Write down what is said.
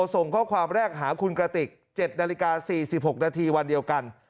ส่งข้อความแรกหาคุณกะติก๗๔๖นวันเดียวกัน